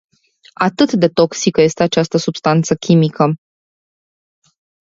Atât de toxică este această substanță chimică.